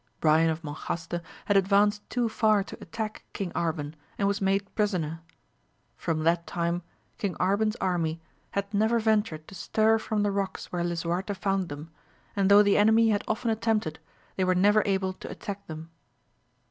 Brian of Monjaste had advanced too far to attack King Arban, and was made prisoner. From that time King Ar ban's army had never ventured to stir from the rocks where Lisuarte found them, and though the enemy had often attempted, they were never able to attack them.